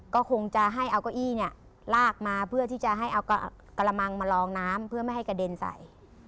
ก็คงจะให้เอาเก้าอี้เนี่ยลากมาเพื่อที่จะให้เอากระมังมาลองน้ำเพื่อไม่ให้กระเด็นใส่